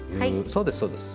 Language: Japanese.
そうですそうです。